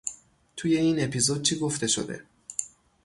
توی این اپیزود چی گفته شده؟